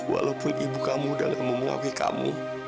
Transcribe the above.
walaupun ibu kamu dalam memu concerns